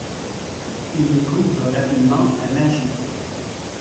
Il découvre rapidement la magie.